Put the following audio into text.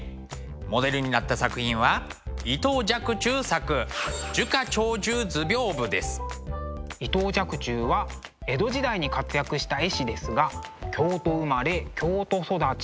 モデルになった作品は伊藤若冲作伊藤若冲は江戸時代に活躍した絵師ですが京都生まれ京都育ち